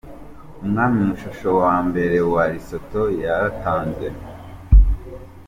Umwami Moshoeshoe wa mbere wa Lesotho, yaratanze.